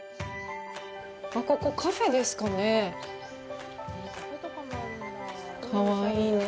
あっ、ここ、カフェですかね？